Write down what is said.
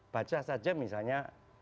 baca saja misalnya